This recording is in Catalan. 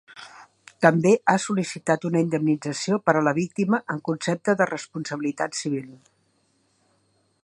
També ha sol·licitat una indemnització per a la víctima en concepte de responsabilitat civil.